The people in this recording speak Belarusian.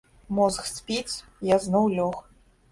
Мозг спіць, я зноў лёг.